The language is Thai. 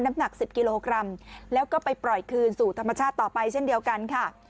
หนัก๑๐กิโลกรัมแล้วก็ไปปล่อยคืนสู่ธรรมชาติต่อไปเช่นเดียวกันค่ะ